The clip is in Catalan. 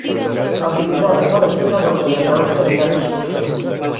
El vint-i-nou de febrer na Dolça i en Rauric aniran d'excursió.